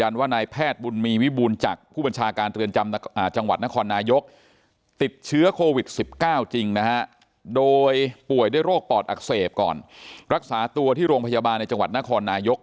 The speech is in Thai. นะฮะโดยปั่วยได้โรคปลอดอักเสบก่อนรักษาตัวที่โรงพยาบาลในจังหวัดนครนายก